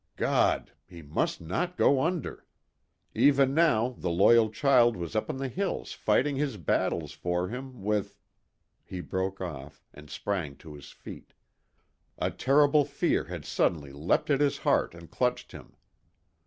God! He must not go under. Even now the loyal child was up in the hills fighting his battles for him with He broke off, and sprang to his feet. A terrible fear had suddenly leapt at his heart and clutched him.